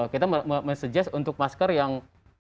kita men suggest untuk masker yang